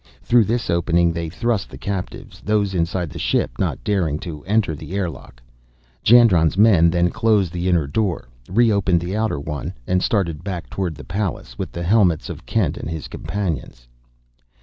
Through this opening they thrust the captives, those inside the ship not daring to enter the airlock. Jandron's men then closed the inner door, re opened the outer one, and started back toward the Pallas with the helmets of Kent and his companions.